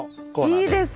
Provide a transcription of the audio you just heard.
いいですか？